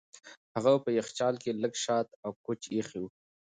هغه په یخچال کې لږ شات او کوچ ایښي وو.